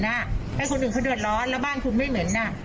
ให้คนอื่นเขาเดือดร้อนแล้วบ้านคุณไม่เหม็น